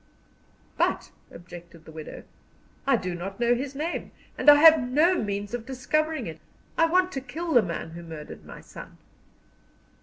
"But," objected the widow, "I do not know his name, and I have no means of discovering it. I want to kill the man who murdered my son."